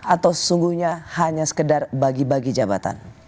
atau sesungguhnya hanya sekedar bagi bagi jabatan